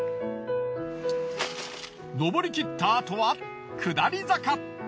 上り切ったあとは下り坂。